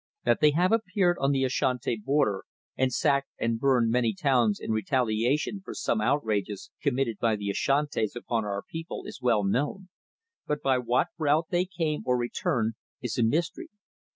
That they have appeared on the Ashanti border and sacked and burned many towns in retaliation for some outrages committed by the Ashantis upon our people is well known, but by what route they came or returned is a mystery.